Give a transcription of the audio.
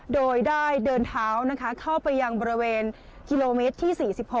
โดยได้เดินเท้าเข้าไปยังบริเวณกิโลเมตรที่๔๖